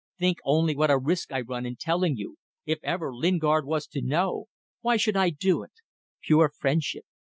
Think only what a risk I run in telling you if ever Lingard was to know! Why should I do it? Pure friendship.